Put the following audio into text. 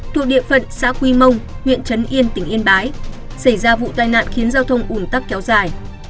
thuộc địa phận xã quy mông huyện trấn yên tỉnh yên bái xảy ra vụ tai nạn khiến giao thông ủn tắc kéo dài